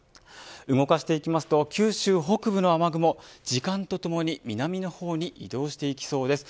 動かしていきますと九州北部の雨雲時間とともに南の方に移動していきそうです。